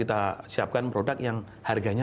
kita siapkan produk yang harganya